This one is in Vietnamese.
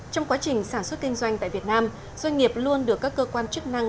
trong quá trình sản xuất kinh doanh tại việt nam doanh nghiệp luôn được các cơ quan chức năng